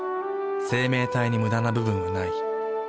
生命体にムダな部分はない。